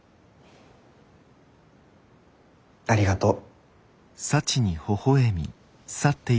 ありがとう。